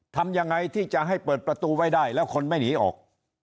ทำยังไงที่จะให้เปิดประตูไว้ได้แล้วคนไม่หนีออก